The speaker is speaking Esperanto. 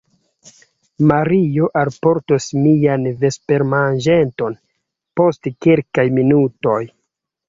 Mario alportos mian vespermanĝeton post kelkaj minutoj.